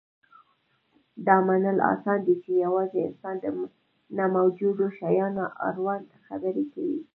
دا منل اسان دي، چې یواځې انسان د نه موجودو شیانو اړوند خبرې کوي.